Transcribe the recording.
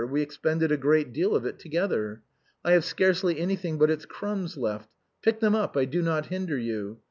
we expended a great deal of it together. I have scarcely anything but its crumbs left. Pick them up, I do not hinder you.